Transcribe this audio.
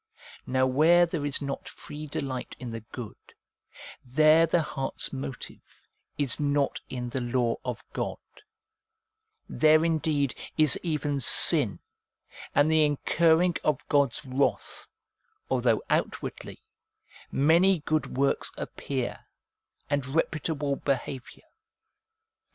Now where there is not free delight in the good, there the heart's motive is not in the law of God ; there indeed is even sin, and the incurring of God's wrath, although outwardly many good works appear, and reputable behaviour.